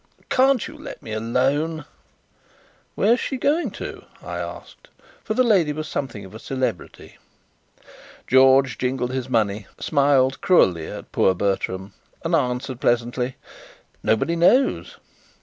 "Can't you let me alone?" "Where's she going to?" I asked, for the lady was something of a celebrity. George jingled his money, smiled cruelly at poor Bertram, and answered pleasantly: "Nobody knows.